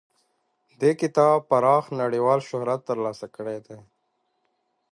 دې کتاب پراخ نړیوال شهرت ترلاسه کړی دی.